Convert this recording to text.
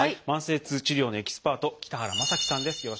慢性痛治療のエキスパート北原雅樹さんです。